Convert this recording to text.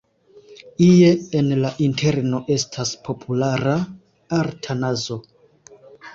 Ie en la interno estas populara arta nazo.